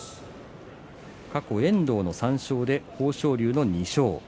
過去、遠藤の３勝で豊昇龍の２勝。